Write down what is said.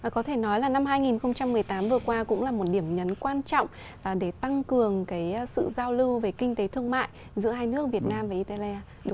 có thể nói là năm hai nghìn một mươi tám vừa qua cũng là một điểm nhấn quan trọng để tăng cường sự giao lưu về kinh tế thương mại giữa hai nước việt nam và italia